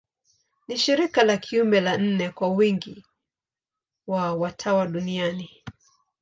Ni shirika la kiume la nne kwa wingi wa watawa duniani.